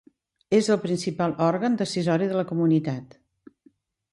És el principal òrgan decisori de la Comunitat.